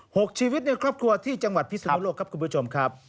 หกชีวิตในครอบครัวที่จังหวัดพิศนุโลกครับคุณผู้ชมครับ